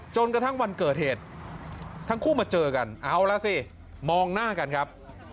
จนกระทั่งวันเกิดเหตุทั้งคู่มาเจอกันเอาล่ะสิมองหน้ากันครับ